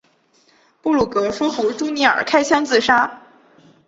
克鲁格说服朱尼尔开枪自杀。